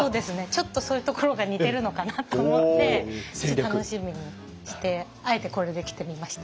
ちょっとそういうところが似てるのかなと思って楽しみにしてあえてこれで来てみました。